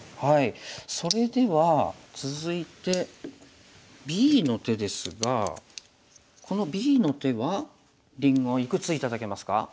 それでは続いてＢの手ですがこのＢの手はりんごいくつ頂けますか？